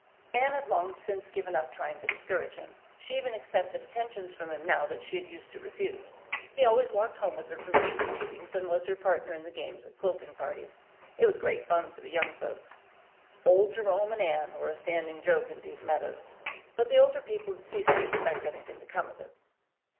Anne had long since given up trying to discourage him; she even accepted attentions from him now that she had used to refuse. He always walked home with her from evening meetings and was her partner in the games at quilting parties. It was great fun for the young folks. "Old Jerome and Anne" were a standing joke in Deep Meadows. But the older people had ceased to expect anything to come of it.